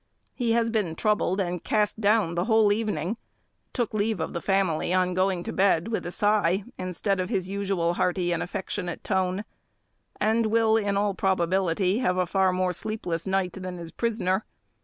He has been troubled and cast down the whole evening: took leave of the family, on going to bed, with a sigh, instead of his usual hearty and affectionate tone, and will, in all probability, have a far more sleepless night than his prisoner.